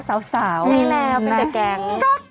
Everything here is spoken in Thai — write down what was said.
ใช่แหล่วเป็นแก่แกง